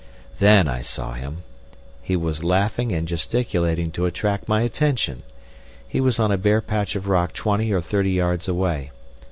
Then I saw him. He was laughing and gesticulating to attract my attention. He was on a bare patch of rock twenty or thirty yards away.